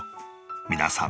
皆さん